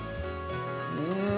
うん！